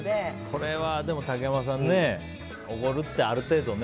これは竹山さんおごるって、ある程度ね。